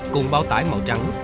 cùng bao tải màu trắng